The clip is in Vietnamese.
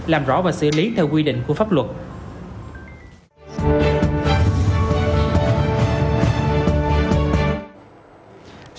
làm rõ và xử lý theo quy định của pháp luật